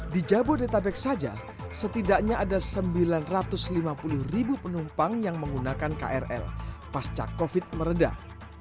di jabodetabek saja setidaknya ada sembilan ratus lima puluh ribu penumpang yang menggunakan krl pasca covid meredah